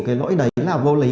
cái lỗi đấy là vô lý